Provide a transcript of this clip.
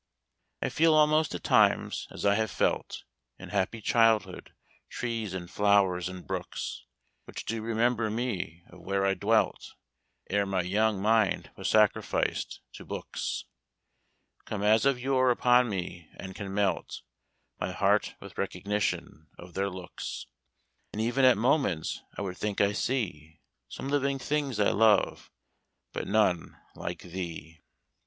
I feel almost at times as I have felt In happy childhood; trees, and flowers, and brooks. Which do remember me of where I dwelt Ere my young mind was sacrificed to books, Come as of yore upon me, and can melt My heart with recognition, of their looks; And even at moments I would think I see Some living things I love but none like thee."